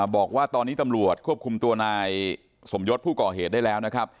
บอกว่าตอนนี้ตำรวจควบคุมตัวนายสมยศผู้ก่อเหตุได้แล้วนะครับ